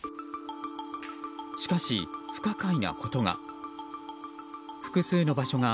しかし、不可解なことが。